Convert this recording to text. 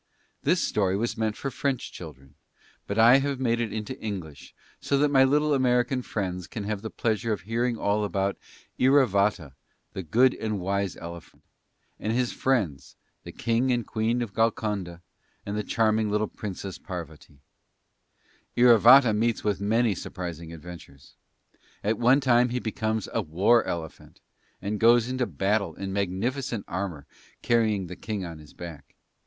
This Story was meant for French children, but I have made it into English, so that my little American friends can have the pleasure of hearing all about "Iravata" the good and wise Elephant, and his friends, the King and Queen of Golconda, and the charming little Princess Parvati. Iravata meets with many surprising adventures. At one time he becomes a "War Elephant," and goes into battle in magnificent armour carrying the King on his back.